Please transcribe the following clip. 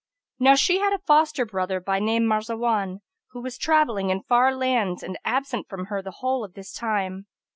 Now she had a foster brother, by name Marzawán,[FN#283] who was travelling in far lands and absent from her the whole of this time.